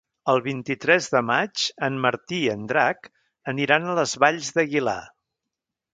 El vint-i-tres de maig en Martí i en Drac aniran a les Valls d'Aguilar.